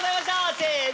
せの。